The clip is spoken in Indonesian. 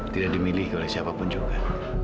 tidak dimiliki oleh siapapun juga